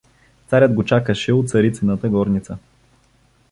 Царят го чакаше у царицината горница.